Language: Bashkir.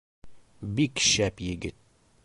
Бик шәп егет.